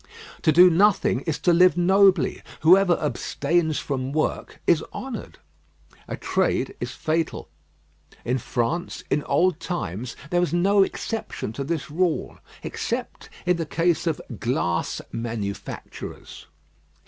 To do nothing, is to live nobly; whoever abstains from work is honoured. A trade is fatal. In France, in old times, there was no exception to this rule, except in the case of glass manufacturers.